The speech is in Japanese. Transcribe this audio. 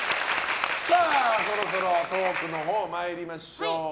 そろそろトークのほう参りましょう。